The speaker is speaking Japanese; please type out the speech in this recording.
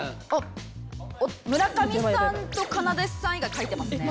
村上さんとかなでさん以外書いてますね。